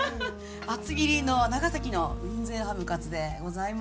厚切りの長崎の雲仙ハムカツでございます。